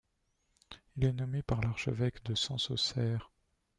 Il est nommé par l'archevêque de Sens-Auxerre.